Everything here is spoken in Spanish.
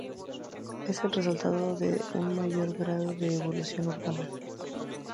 Es el resultado de de un mayor grado de evolución urbana.